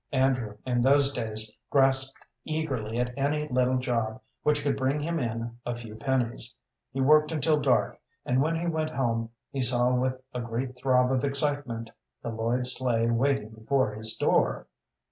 Andrew in those days grasped eagerly at any little job which could bring him in a few pennies. He worked until dark, and when he went home he saw with a great throb of excitement the Lloyd sleigh waiting before his door.